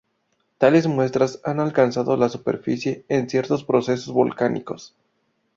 Tales muestras han alcanzado la superficie en ciertos procesos volcánicos.